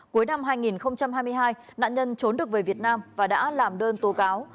cuối năm hai nghìn hai mươi hai nạn nhân trốn được về việt nam và đã làm đơn tố cáo